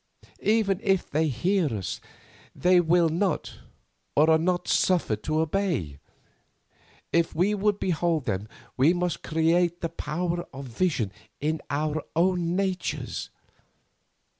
Even if they hear us they will not, or are not suffered to obey. If we would behold them we must create the power of vision in our own natures.